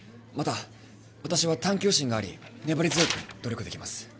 また私は探究心があり粘り強く努力できます